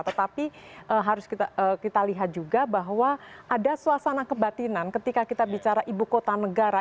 tetapi harus kita lihat juga bahwa ada suasana kebatinan ketika kita bicara ibu kota negara